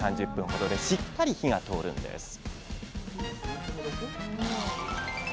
３０分ほどでしっかり火が通るんです。